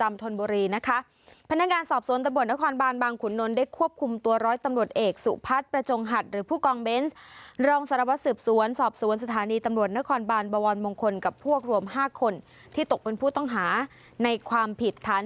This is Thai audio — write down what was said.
มีตำรวจนครบาลบวรมงคลกับพวกรวมห้าคนที่ตกเป็นผู้ต้องหาในความผิดท้าน